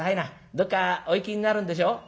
どっかお行きになるんでしょ」。